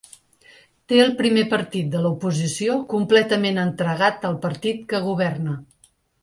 Té el primer partit de l’oposició completament entregat al partit que governa.